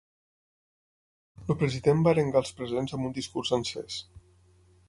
El president va arengar els presents amb un discurs encès.